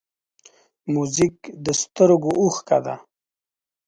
موزیک د سترګو اوښکه ده.